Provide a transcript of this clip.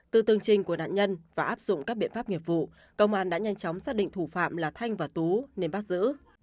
từ tương trình của nạn nhân và áp dụng các biện pháp nghiệp vụ công an đã nhanh chóng xác định thủ phạm là thanh và tú nên bắt giữ